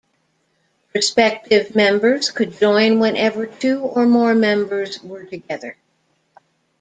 Prospective members could join whenever two or more members were together.